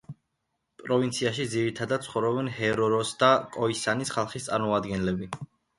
პროვინციაში ძირითადად ცხოვრობენ ჰერეროს და კოისანის ხალხის წარმომადგენლები.